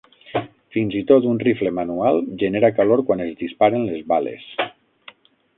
Fins i tot un rifle manual genera calor quan es disparen les bales.